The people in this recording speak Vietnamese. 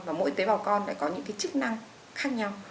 và mỗi tế bào con lại có những cái chức năng khác nhau